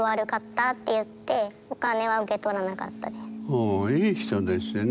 ほいい人ですよね。